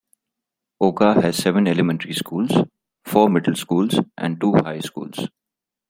Oga has seven elementary schools, four middle schools and two high schools.